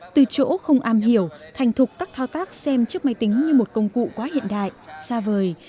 từ chỗ không am hiểu thành thục các thao tác xem chiếc máy tính như một công cụ quá hiện đại xa vời